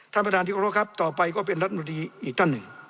ท่านประธานที่กรบครับต่อไปก็เป็นรัฐมนตรีอีกท่านหนึ่ง